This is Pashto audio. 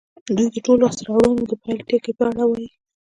دوی د ټولو لاسته راوړنو د پيل ټکي په اړه وايي.